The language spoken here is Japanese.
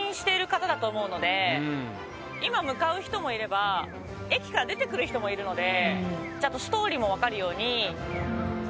今向かう人もいれば駅から出てくる人もいるので。